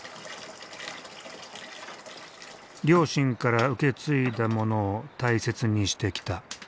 両親から受け継いだものを大切にしてきた。